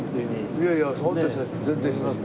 いやいや本当にそうです。